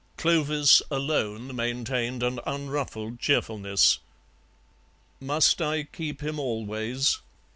Clovis alone maintained an unruffled cheerfulness. "Must I keep him always?"